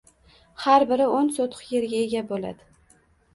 har biri o‘n sotix yerga ega bo‘ladi.